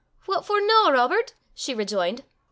"What for no, Robert?" she rejoined.